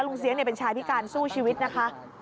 เสียเป็นชายพิการสู้ชีวิตนะคะ